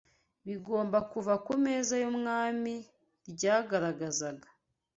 bigomba kuva ku meza y’umwami ryagaragazaga